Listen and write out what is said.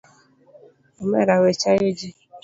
Omera we chayo ji.